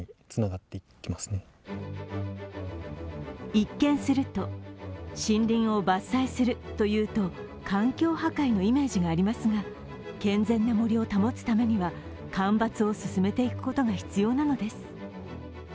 一見すると森林を伐採するというと環境破壊のイメージがありますが健全な森を保つためには間伐を進めていくことが必要なのです。